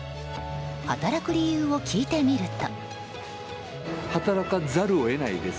働く理由を聞いてみると。